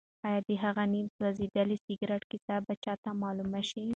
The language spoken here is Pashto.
ایا د هغه نیم سوځېدلي سګرټ کیسه به چا ته معلومه شي؟